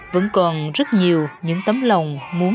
vẫn còn rất nhiều những tấm lòng muốn